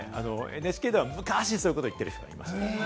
ＮＨＫでは昔そういうことを言ったりしていました。